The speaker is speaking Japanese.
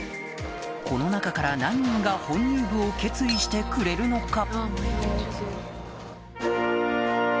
この中から何人が本入部を決意してくれるのか